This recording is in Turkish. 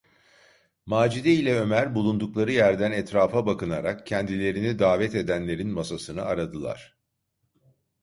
Macide ile Ömer bulundukları yerden etrafa bakınarak kendilerini davet edenlerin masasını aradılar.